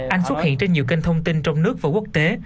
anh xuất hiện trên nhiều kênh thông tin trong nước và quốc tế